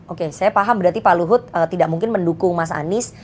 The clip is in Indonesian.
oke saya paham berarti pak luhut tidak mungkin mendukung mas anies